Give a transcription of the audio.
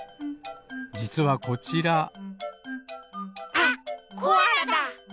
じつはこちらあっコアラだ！